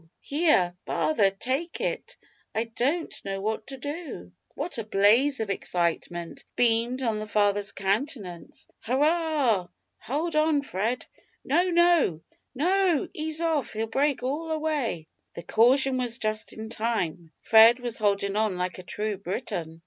here, father, take it I don't know what to do." What a blaze of excitement beamed on the father's countenance! "Hurrah! hold on, Fred, no, no, no! ease off he'll break all away." The caution was just in time. Fred was holding on like a true Briton.